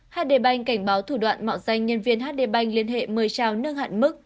hdbanh cảnh báo thủ đoạn mạo danh nhân viên hdbanh liên hệ mời trao nâng hạn mức